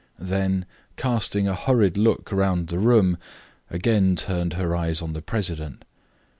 Then, casting a hurried look round the room, again turned her eyes on the president.